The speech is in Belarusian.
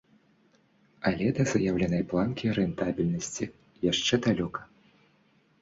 Але да заяўленай планкі рэнтабельнасці яшчэ далёка.